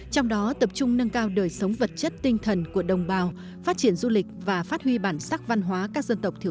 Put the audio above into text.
trong đó tập trung nâng cao đời sống vật chất tinh thần của đồng bào phát triển du lịch và phát huy bản sắc văn hóa các dân tộc thiểu số